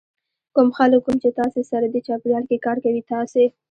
کوم خلک کوم چې تاسې سره دې چاپېریال کې کار کوي تاسې